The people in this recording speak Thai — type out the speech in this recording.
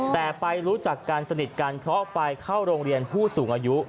แต่ไปรู้จักกันสนิทกันเพราะไปเข้าโรงเรียนผู้สูงอายุ